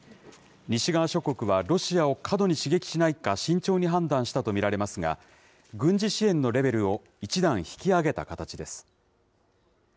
西側諸国はロシアを過度に刺激しないか、慎重に判断したと見られますが、軍事支援のレベルを１段引き上げた形です。